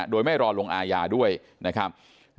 โดยไม่รอลงอาญาด้วยนะครับ